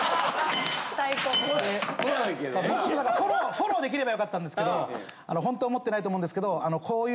フォローできればよかったんですけどほんとは思ってないと思うんですけどこういう。